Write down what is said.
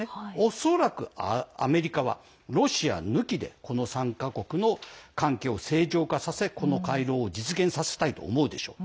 恐らくアメリカは、ロシア抜きでこの３か国の関係を正常化させこの回廊を実現させたいと思うでしょう。